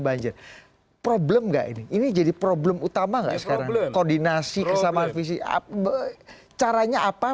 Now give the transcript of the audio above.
banjir problem enggak ini jadi problem utama koordinasi kesamaan visi api caranya apa